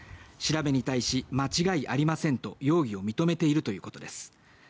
調べに対し間違いありませんと容疑を認めているということです。